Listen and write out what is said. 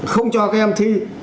không cho các em thi